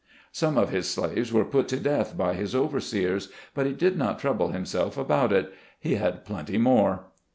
Some of his slaves were put to death by his over seers, but he did not trouble himself about it — he had plenty more.